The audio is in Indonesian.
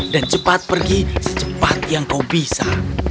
dan cepat pergi secepat yang kau bisa